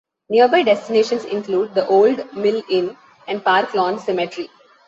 Nearby destinations include the Old Mill Inn and Park Lawn Cemetery.